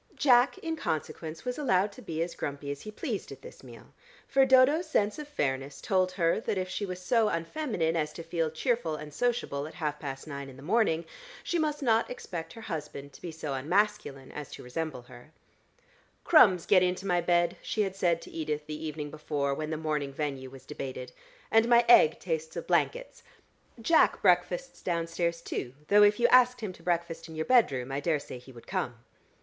Jack, in consequence, was allowed to be as grumpy as he pleased at this meal, for Dodo's sense of fairness told her that if she was so unfeminine as to feel cheerful and sociable at half past nine in the morning, she must not expect her husband to be so unmasculine as to resemble her. "Crumbs get into my bed," she had said to Edith the evening before, when, the morning venue was debated, "and my egg tastes of blankets. And I hate bed when I wake: I feel bright and brisk and fresh, which is very trying for other people. Jack breakfasts downstairs, too, though if you asked him to breakfast in your bedroom, I daresay he would come."